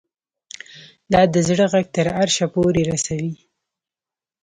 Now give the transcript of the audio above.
دا د زړه غږ تر عرشه پورې رسوي